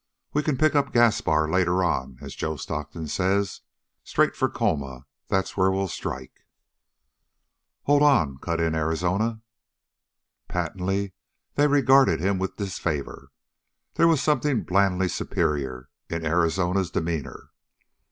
We can pick up Gaspar later on, as Joe Stockton says. Straight for Colma, that's where we'll strike." "Hold on," cut in Arizona. Patently they regarded him with disfavor. There was something blandly superior in Arizona's demeanor.